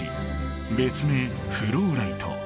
別名フローライト。